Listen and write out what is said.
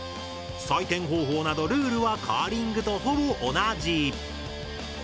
採点方法などルールはカーリングとほぼ同じ。